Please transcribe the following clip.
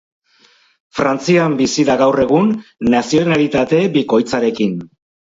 Frantzian bizi da gaur egun, nazionalitate bikoitzarekin.